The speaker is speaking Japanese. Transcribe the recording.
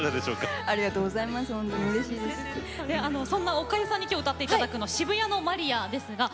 おかゆさんに歌っていただくのは「渋谷のマリア」です。